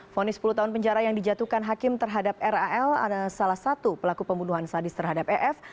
fonis sepuluh tahun penjara yang dijatuhkan hakim terhadap ral adalah salah satu pelaku pembunuhan sadis terhadap ef